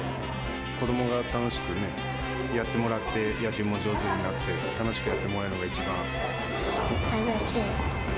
子どもが楽しくやってもらって、野球も上手になって、楽しくやっ楽しい。